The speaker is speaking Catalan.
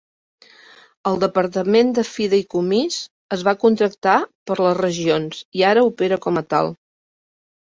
El departament de fideïcomís es va contractar per les regions i ara opera com a tal.